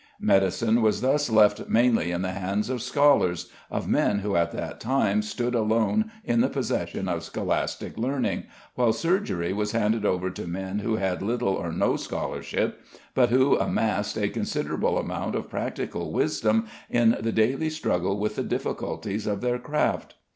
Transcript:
Medicine was thus left mainly in the hands of scholars, of men who at that time stood alone in the possession of scholastic learning, while surgery was handed over to men who had little or no scholarship, but who amassed a considerable amount of practical wisdom in the daily struggle with the difficulties of their craft.